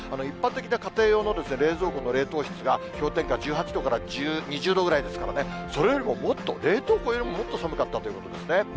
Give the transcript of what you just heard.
一般的な家庭用の冷蔵庫の冷凍室が、氷点下１８度から２０度ぐらいですからね、それよりももっと、冷凍庫よりももっと寒かったということですね。